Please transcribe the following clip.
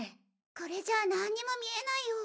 これじゃあなんにも見えないよ。